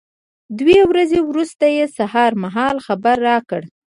دوې ورځې وروسته یې سهار مهال خبر را کړ.